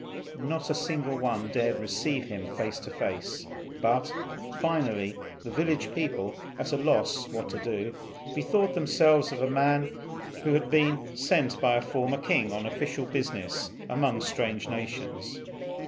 Not a single one dared receive him face to face; but, finally, the village people, at a loss what to do, bethought themselves of a man who had been sent by a former king on official business among strange nations.